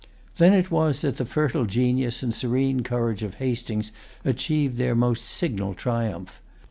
Then it was that the fertile genius and serene courage of Hastings achieved their most signal triumph.